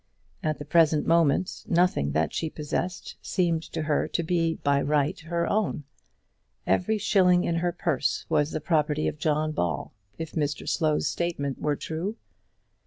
At the present moment nothing that she possessed seemed to her to be, by right, her own. Every shilling in her purse was the property of John Ball, if Mr Slow's statement were true.